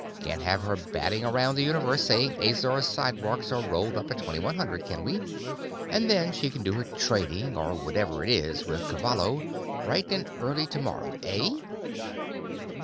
Can't have her batting around the universe saying Azor's sidewalks are rolled up at 2100, can we? And then she can do her trading or whatever it is with Cavallo bright and early tomorrow, eh?"